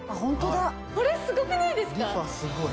これすごくないですか？